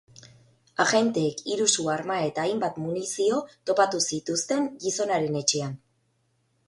Agenteek hiru su-arma eta hainbat munizio topatu zituzten gizonaren etxean.